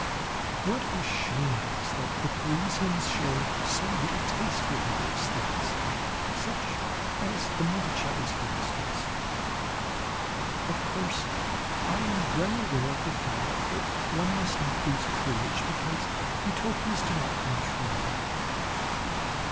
What a shame it is that the Parisians show so little taste for vigorous things, such as the Monticelli's, for instance. Of course I am well aware of the fact that one must not lose courage because Utopias do not come true.